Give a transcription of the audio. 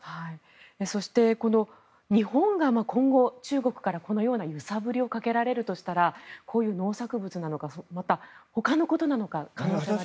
そして日本が今後中国からこのような揺さぶりをかけるとしたらこういう農作物なのか他のものなのか、どうですか？